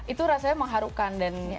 itu rasanya mengharukan